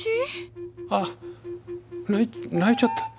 あっ泣いちゃった。